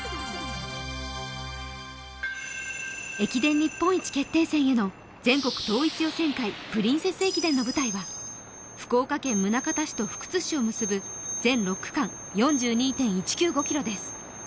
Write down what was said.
駅伝日本一決定戦への全国統一予選会、プリンセス駅伝の舞台は福岡県宗像市と福津市を結ぶ全６区間４２．１９５ｋｍです。